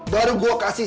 baru gue kasih